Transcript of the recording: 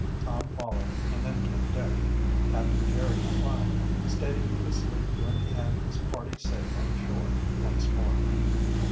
Tom followed, and then came Dick. Captain Jerry declined, stating he could sleep when he had the party safe on shore once more.